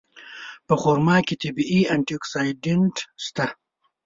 په خرما کې طبیعي انټي اکسېډنټ شته.